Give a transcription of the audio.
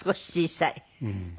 うん。